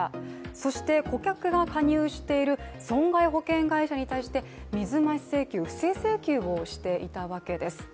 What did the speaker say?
そして、顧客が加入している損害保険会社に対して水増し請求、不正請求をしていたわけです